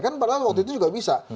kan padahal waktu itu juga bisa